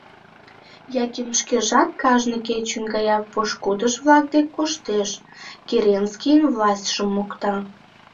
Яким шкежат кажне кечын гаяк пошкудыж-влак дек коштеш, Керенскийын властьшым мокта.